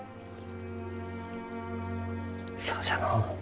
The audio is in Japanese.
そうじゃのう。